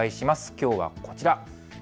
きょうはこちら。